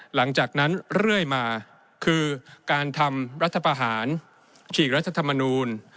หลังจากนั้นเรื่อยมาคือการทำรัฐประหารฉีกรัฐธรรมนูล